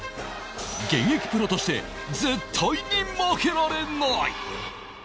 現役プロとして絶対に負けられない！